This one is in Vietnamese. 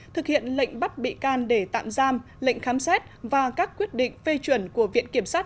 thực hiện lệnh bắt bị can để tạm giam lệnh khám xét và các quyết định phê chuẩn của viện kiểm sát